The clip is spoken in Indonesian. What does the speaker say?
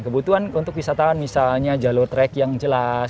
kebutuhan untuk wisatawan misalnya jalur track yang jelas